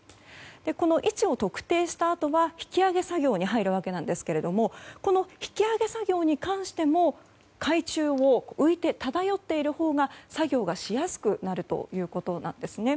位置を特定したあとは引き揚げ作業に入るわけですがこの引き揚げ作業に関しても海中を浮いて漂っているほうが作業がしやすくなるということなんです。